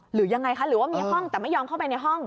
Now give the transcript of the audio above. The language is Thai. หรือยังไงคะหรือว่ามีห้องแต่ไม่ยอมเข้าไปในห้อง